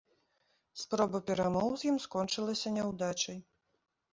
Спроба перамоў з ім скончылася няўдачай.